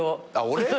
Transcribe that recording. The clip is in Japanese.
俺？